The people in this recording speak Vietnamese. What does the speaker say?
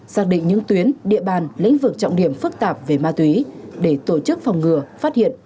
xác định những tuyến địa bàn lĩnh vực trọng điểm phức tạp về ma túy để tổ chức phòng ngừa phát hiện